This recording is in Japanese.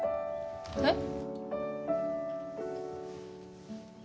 えっ？